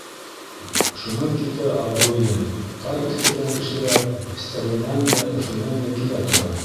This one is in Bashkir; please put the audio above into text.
Шунан китә абруйы — тай үҫтергән кешеләр Стәрленән дә, Өфөнән дә килә тора.